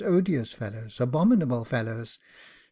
odious fellows! abominable fellows!